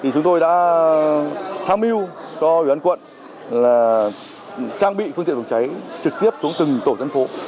chúng tôi đã tham mưu cho ủy ban quận trang bị phương tiện phòng cháy trực tiếp xuống từng tổ dân phố